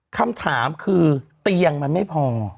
คำถามคือเตียงมันไม่พอ